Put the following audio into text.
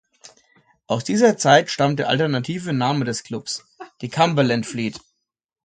Aus dieser Zeit stammt der alternative Name des Clubs, die Cumberland Fleet.